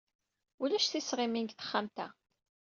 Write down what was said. Ulac tisɣimin deg texxamt-a.